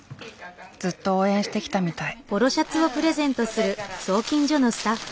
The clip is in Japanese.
ずっと応援してきたみたい。